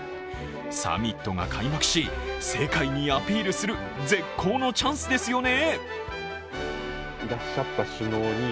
サミットが開幕し世界にアピールする絶好のチャンスですよね！